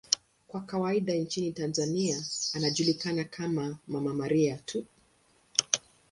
Kwa kawaida nchini Tanzania anajulikana kama 'Mama Maria' tu.